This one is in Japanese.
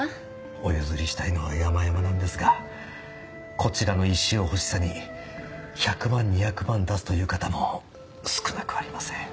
お譲りしたいのはやまやまなんですがこちらの石を欲しさに１００万２００万出すという方も少なくありません。